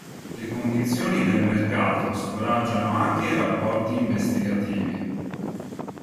Le condizioni del mercato scoraggiano anche i rapporti investigativi.